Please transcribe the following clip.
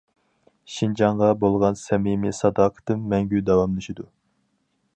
شىنجاڭغا بولغان سەمىمىي ساداقىتىم مەڭگۈ داۋاملىشىدۇ.